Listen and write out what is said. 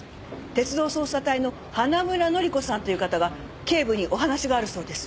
鉄道捜査隊の花村乃里子さんという方が警部にお話があるそうです。